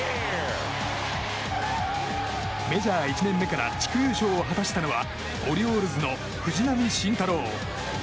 メジャー１年目から地区優勝を果たしたのはオリオールズの藤浪晋太郎。